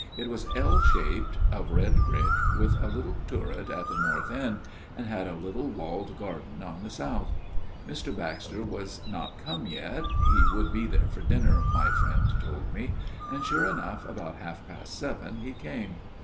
It was L shaped, of red brick, with a little turret at the north end, and had a little walled garden on the south. " Mr. Baxter was not come yet ; he would be there for dinner, my friend told me ; and, sure enough, about half past seven he came.